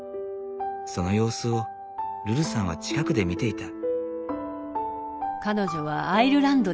その様子をルルさんは近くで見ていた。